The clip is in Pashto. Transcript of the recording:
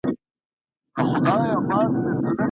ادبیاتو پوهنځۍ بې ارزوني نه تایید کیږي.